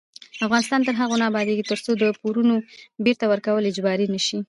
افغانستان تر هغو نه ابادیږي، ترڅو د پورونو بیرته ورکول اجباري نشي.